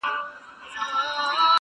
نن هغه توره د ورور په وينو سره ده!.